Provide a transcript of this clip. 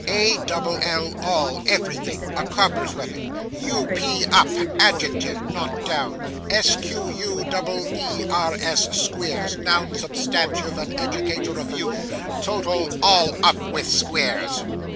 A double 1 all, everything a cobbler's weapon. U p up, adjective, not down. S q u double e r s Squeers, noun substantive, a educator of youth. Total, all up with Squeers!